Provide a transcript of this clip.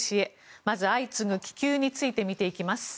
まず、相次ぐ気球について見ていきます。